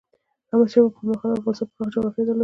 احمد شاه بابا پر مهال افغانستان پراخه جغرافیه درلوده.